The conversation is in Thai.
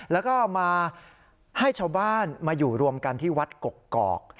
แล้วก็มาให้ชาวบ้านมาอยู่รวมกันที่วัดกกอก